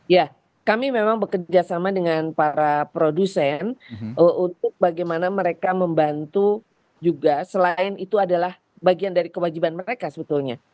ya kami memang bekerjasama dengan para produsen untuk bagaimana mereka membantu juga selain itu adalah bagian dari kewajiban mereka sebetulnya